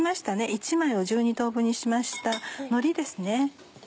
１枚を１２等分にしましたのりですね。